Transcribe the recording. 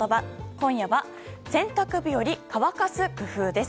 今夜は、洗濯日和乾かす工夫です。